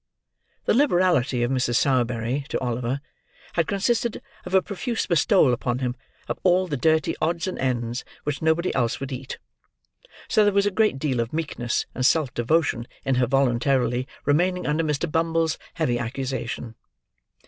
The liberality of Mrs. Sowerberry to Oliver, had consisted of a profuse bestowal upon him of all the dirty odds and ends which nobody else would eat; so there was a great deal of meekness and self devotion in her voluntarily remaining under Mr. Bumble's heavy accusation.